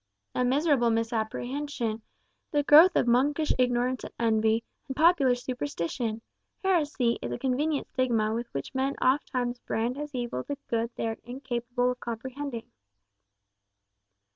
"A miserable misapprehension; the growth of monkish ignorance and envy, and popular superstition. Heresy is a convenient stigma with which men ofttimes brand as evil the good they are incapable of comprehending."